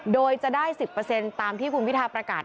โดยจะได้๑๐ตามที่คุณพิทาประกาศ